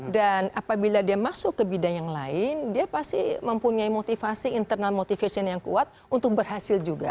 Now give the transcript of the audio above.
dan apabila dia masuk ke bidang yang lain dia pasti mempunyai motivasi internal yang kuat untuk berhasil juga